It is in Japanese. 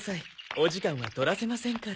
お時間は取らせませんから。